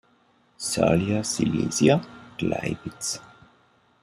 Salia-Silesia Gleiwitz.